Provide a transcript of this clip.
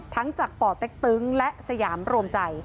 ทั้งจากป่อเต็กตึงและสยามรวมใจ